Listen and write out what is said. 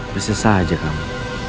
besok saja kamu